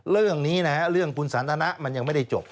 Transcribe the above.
เรื่องนี้นะฮะเรื่องคุณสันทนะมันยังไม่ได้จบ